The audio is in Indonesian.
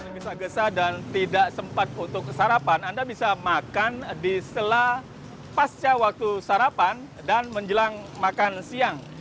anda bisa gesah dan tidak sempat untuk sarapan anda bisa makan di setelah pasca waktu sarapan dan menjelang makan siang